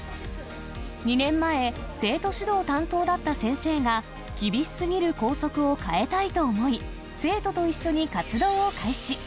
２年前、生徒指導担当だった先生が、厳しすぎる校則を変えたいと思い、生徒と一緒に活動を開始。